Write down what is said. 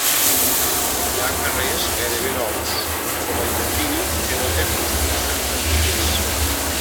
Hi ha carrers gairebé nous, com el de Prim, que no té construccions antigues.